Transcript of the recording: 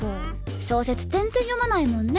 小説全然読まないもんね